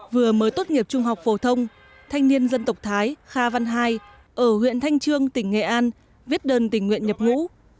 vừa mới tốt nghiệp trung học phổ thông thanh niên dân tộc thái kha văn hai ở huyện thanh trương tỉnh nghệ an viết đơn tình nguyện nhập ngũ